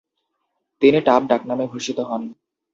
তিনি টাপ ডাকনামে ভূষিত হন।